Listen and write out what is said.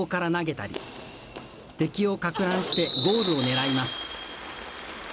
敵をかく乱してゴールを狙います。